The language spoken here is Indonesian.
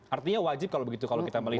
artinya wajib kalau begitu kalau kita melihat